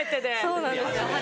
そうなんです。